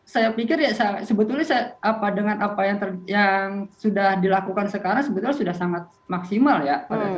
saya pikir ya sebetulnya dengan apa yang sudah dilakukan sekarang sebetulnya sudah sangat maksimal ya